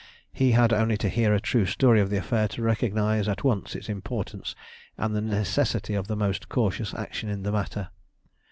He had only to hear a true story of the affair to recognize at once its importance and the necessity of the most cautious action in the matter.